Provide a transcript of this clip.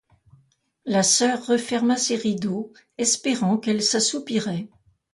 La soeur referma ses rideaux, espérant qu'elle s'assoupirait.